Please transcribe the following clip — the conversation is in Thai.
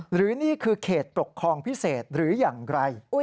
หรือนี่คือเขตปกครองพิเศษหรืออย่างไร